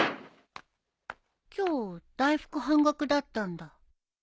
今日大福半額だったんだ。